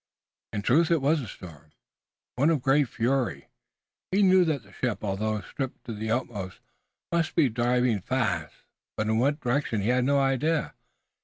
In truth, it was a storm, one of great fury. He knew that the ship although stripped to the utmost, must be driving fast, but in what direction he had no idea.